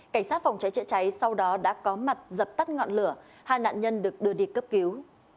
cảnh sát phòng cháy chữa cháy sau đó đã có mặt dập tắt ngọn lửa hai nạn nhân được đưa đi cấp cứu